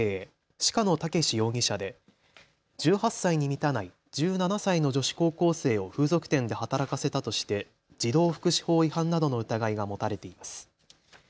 鹿野健容疑者で１８歳に満たない１７歳の女子高校生を風俗店で働かせたとして児童福祉法違反などの疑いが持たれています。